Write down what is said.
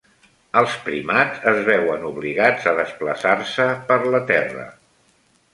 Els primats es veuen obligats a desplaçar-se per la terra.